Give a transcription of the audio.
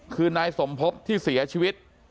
คือนายสมภพที่เสียชีวิต